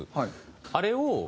あれを。